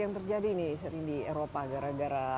yang terjadi nih di eropa gara gara